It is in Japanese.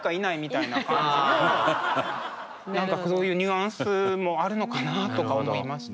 何かそういうニュアンスもあるのかなとか思いました。